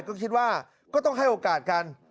ก็คิดว่าก็ต้องให้โอกาสกัน